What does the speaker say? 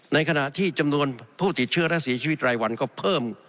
ในขณะที่จำนวนผู้ติดเชื้อและเสียชีวิตรายวันก็เพิ่ม